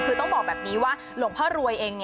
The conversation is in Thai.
คือต้องบอกแบบนี้ว่าหลวงพ่อรวยเอง